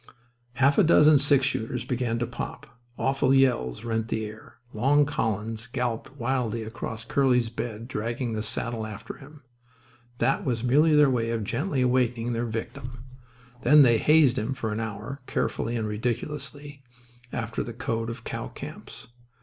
Half a dozen six shooters began to pop—awful yells rent the air—Long Collins galloped wildly across Curly's bed, dragging the saddle after him. That was merely their way of gently awaking their victim. Then they hazed him for an hour, carefully and ridiculously, after the code of cow camps.